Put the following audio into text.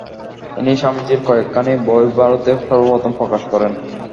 ইনি স্বামীজীর কয়েকখানি বই ভারতে সর্বপ্রথম প্রকাশ করেন।